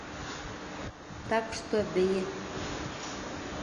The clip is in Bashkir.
Так что бейе!